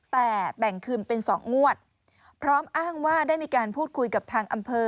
แต่แบ่งคืนเป็น๒งวดพร้อมอ้างว่าได้มีการพูดคุยกับทางอำเภอ